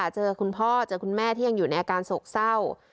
เจอคุณพ่อเจอคุณแม่ที่ยังอยู่ในอาการโศกเศร้า